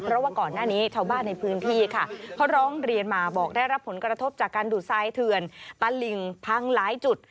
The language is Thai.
เพราะว่าก่อนหน้านี้ชาวบ้านในพื้นที่ค่ะเขาร้องเรียนมาบอกได้รับผลกระทบจากการดูดทรายเถื่อนตลิ่งพังหลายจุด